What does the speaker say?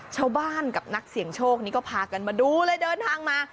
ชาวบ้านกับนักเสี่ยงโชคนี้ก็พากันมาดูเลยเดินทางมา